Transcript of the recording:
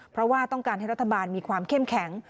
เพราะว่าต้องการให้รัฐบาลมีความเข้มแข็ง